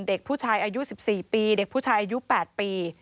เด็กผู้ชายอายุ๑๔ปีเด็กผู้ชายอายุ๘ปี